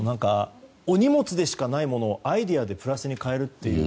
お荷物でしかないものをアイデアでプラスに変えるという。